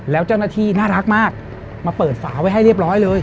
แล้วเจ้าหน้าที่น่ารักมากมาเปิดฝาไว้ให้เรียบร้อยเลย